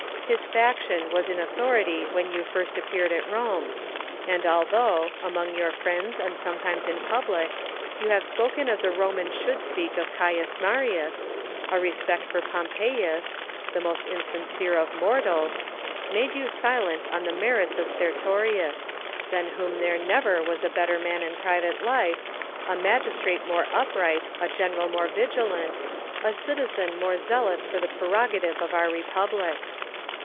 His faction was in authority when you first appeared at Rome ; and although, among your friends and sometimes in public, you have spoken as a Roman should speak of Oaius Marius, a respect for Pompeius (the most insincere of mortals) made you silent on the merits of Sertorius — than whom there never was a better man in private life, a magistrate more upright, a general more vigilant, a citizen more zealous for the prerogative of our republic.